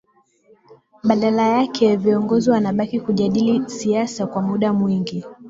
Badala yake viongozi wanabaki kujadili siasa kwa muda mwingi